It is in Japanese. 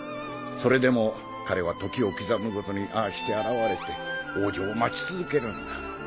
それでも彼は時を刻むごとにああして現れて王女を待ち続けるんだ。